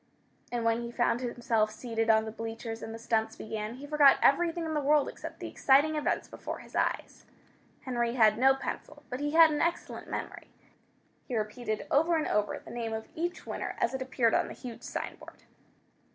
And when he found himself seated on the bleachers and the stunts began, he forgot everything in the world except the exciting events before his eyes. Henry had no pencil, but he had an excellent memory. He repeated over and over, the name of each winner as it appeared on the huge signboard.